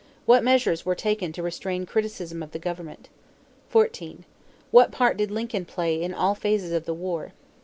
What measures were taken to restrain criticism of the government? 14. What part did Lincoln play in all phases of the war?